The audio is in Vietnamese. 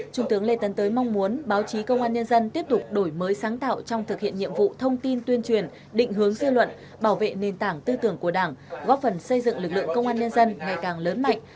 trung tướng lê tấn tới mong muốn báo chí công an nhân dân tiếp tục đổi mới sáng tạo trong thực hiện nhiệm vụ thông tin tuyên truyền định hướng dư luận bảo vệ nền tảng tư tưởng của đảng góp phần xây dựng lực lượng công an nhân dân ngày càng lớn mạnh